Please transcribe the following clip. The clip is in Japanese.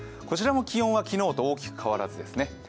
こちらも気温は昨日と大きく変わらずですね。